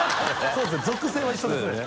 そうですね